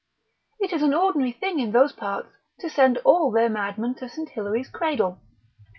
It is an ordinary thing in those parts, to send all their madmen to St. Hilary's cradle.